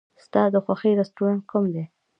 ستا د خوښې رستورانت کوم دی؟